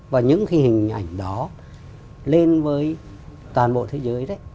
và những hình ảnh đó lên với toàn bộ thế giới